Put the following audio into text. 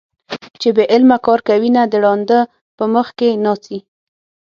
چې بې علمه کار کوينه - د ړانده په مخ کې ناڅي